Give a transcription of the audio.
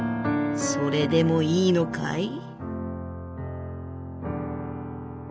それでもいいのかい？」。